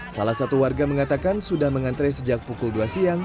salah satu warga mengatakan sudah mengantre sejak pukul dua siang